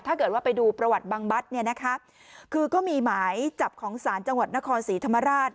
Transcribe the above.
ถ้าเกิดว่าไปดูประวัติบังบัตรเนี่ยนะคะคือก็มีหมายจับของศาลจังหวัดนครศรีธรรมราช